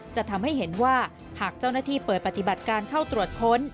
จะทำให้เห็นว่าหากเจ้าหน้าที่เปิดปฏิบัติการเข้าตรวจค้น